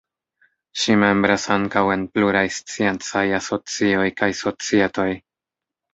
Ŝi membras ankaŭ en pluraj sciencaj asocioj kaj societoj.